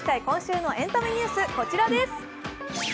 今週のエンタメニュース、こちらです。